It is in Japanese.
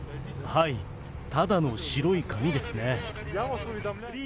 はい、ただの白い紙ですね。